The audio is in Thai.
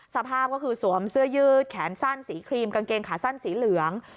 สภาพก็คือสวมเสื้อยืดแขนสั้นสีครีมกางเกงขาสั้นสีเหลือง